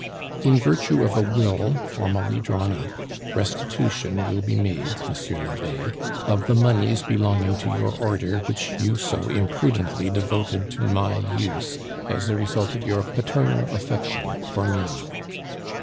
"In virtue of a will formally drawn up, restitution will be made, Monsieur l'Abbe, of the moneys belonging to your Order which you so imprudently devoted to my use, as a result of your paternal affection for me.